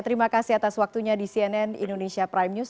terima kasih atas waktunya di cnn indonesia prime news